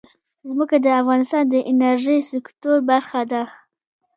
ځمکه د افغانستان د انرژۍ سکتور برخه ده.